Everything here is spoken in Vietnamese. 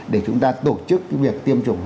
để chúng ta tổ chức cái việc tiêm chủng